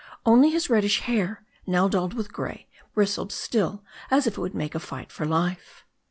Only his reddish hair, now dulled with grey, bristled still as if it would make a fight for life.